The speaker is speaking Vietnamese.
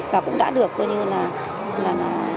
và cũng đã được coi như là